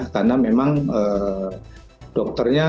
karena memang dokternya